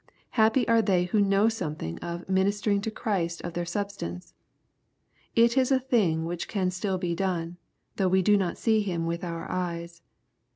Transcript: Happy are they who know something of "ministering to Christ of their substance 1" It is a thing which can still be done, though we do not see Him with our eyes.